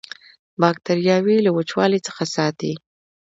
باکتریاوې له وچوالي څخه ساتي.